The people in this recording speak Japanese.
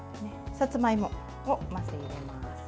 さつまいもをまず入れます。